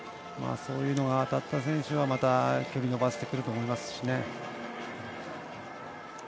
そういうのが当たった選手はまた距離伸ばしてくると思いますしね。